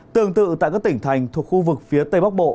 tương tự tại các tỉnh thành thuộc khu vực phía tây bắc bộ